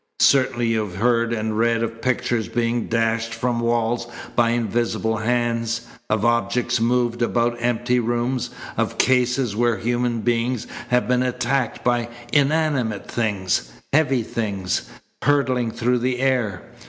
Certainly you have heard and read of pictures being dashed from walls by invisible hands, of objects moved about empty rooms, of cases where human beings have been attacked by inanimate things heavy things hurtling through the air.